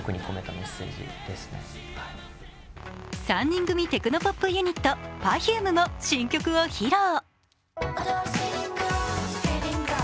３人組テクノポップユニット、Ｐｅｒｆｕｍｅも新曲を披露。